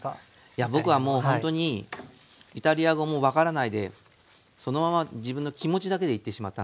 いや僕はもうほんとにイタリア語も分からないでそのまま自分の気持ちだけで行ってしまったので。